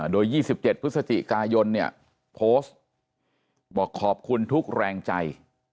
โดย๒๗พฤศจิกายนเนี่ยโพสต์บอกขอบคุณทุกแรงใจ